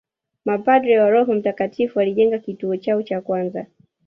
Mapadre wa Roho mtakatifu walijenga kituo chao cha kwanza